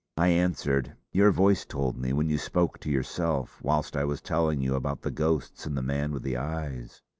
I answered: "Your voice told me when you spoke to yourself whilst I was telling you about the ghosts and the man with the eyes."